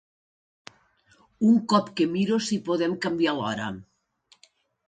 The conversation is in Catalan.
Un cop que miro si podem canviar l'hora.